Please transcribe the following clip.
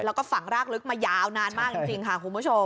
แล้วก็ฝังรากลึกมายาวนานมากจริงค่ะคุณผู้ชม